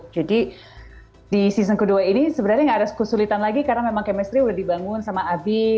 jadi di season kedua ini sebenarnya gak ada kesulitan lagi karena memang chemistry udah dibangun sama abi